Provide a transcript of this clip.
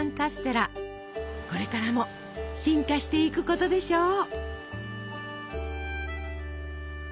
これからも進化していくことでしょう。